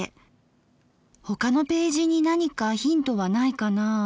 他のページに何かヒントはないかなあ。